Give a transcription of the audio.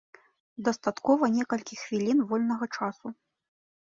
Дастаткова некалькі хвілін вольнага часу.